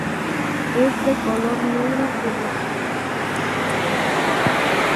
Es de color negro y representa la fauna de Colombia.